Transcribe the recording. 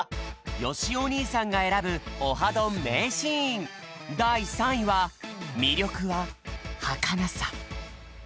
よしお兄さんが選ぶ「オハどん！」名シーンだい３位は「みりょくははかなさ」。